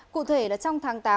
cụ thể là trong tháng tám